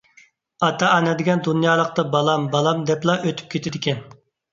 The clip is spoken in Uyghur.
ئاتا-ئانا دېگەن دۇنيالىقتا بالام، بالام دەپلا ئۆتۈپ كېتىدىكەن.